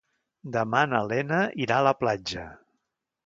Demà na Lena irà a la platja.